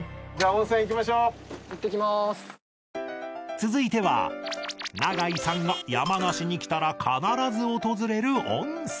続いては永井さんが山梨に来たら必ず訪れる温泉温泉！